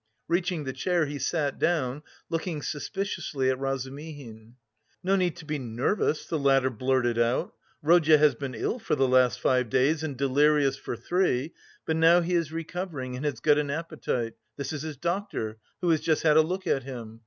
Reaching the chair, he sat down, looking suspiciously at Razumihin. "No need to be nervous," the latter blurted out. "Rodya has been ill for the last five days and delirious for three, but now he is recovering and has got an appetite. This is his doctor, who has just had a look at him.